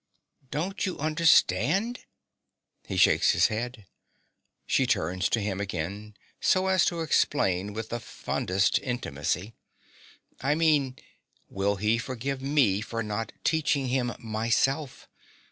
Don't you understand? (He shakes his head. She turns to him again, so as to explain with the fondest intimacy.) I mean, will he forgive me for not teaching him myself?